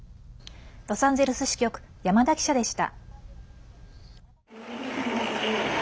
ロサンゼルス支局山田記者でした。